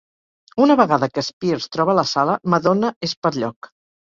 Una vegada que Spears troba la sala, Madonna és per lloc.